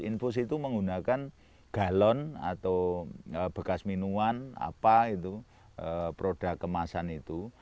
infus itu menggunakan galon atau bekas minuan produk kemasan itu